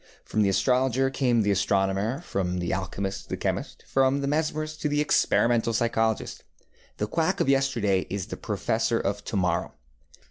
From the astrologer came the astronomer, from the alchemist the chemist, from the mesmerist the experimental psychologist. The quack of yesterday is the professor of to morrow.